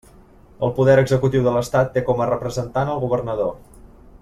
El poder executiu de l'estat té com a representant el governador.